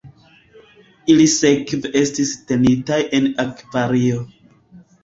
Ili sekve estis tenitaj en akvario.